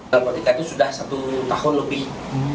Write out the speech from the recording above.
narkotika itu sudah satu tahun lebih